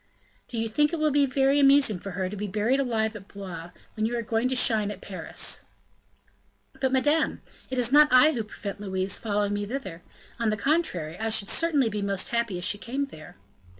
"Do you think it will be very amusing for her to be buried alive at Blois, when you are going to shine at Paris?" "But, madame, it is not I who prevent Louise following me thither; on the contrary, I should certainly be most happy if she came there."